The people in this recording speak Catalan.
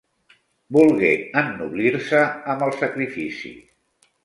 Volgué ennoblir-se amb el sacrifici.